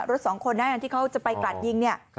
๖๑๓๒รถสองคนน่ะที่เขาจะไปกลัดยิง